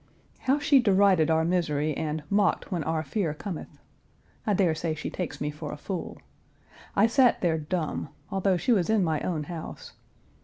How she derided our misery and "mocked when our fear cometh." I dare say she takes me for a fool. I sat there dumb, although she was in my own house.